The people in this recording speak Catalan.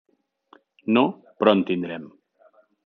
No, però en tindrem.